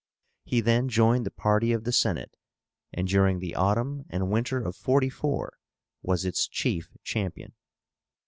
He then joined the party of the Senate, and during the autumn and winter of 44 was its chief champion.